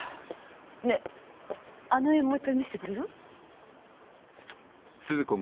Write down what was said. ねえあの絵もう一回見せてくれる？